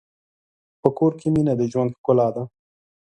په کور کې مینه د ژوند ښکلا ده.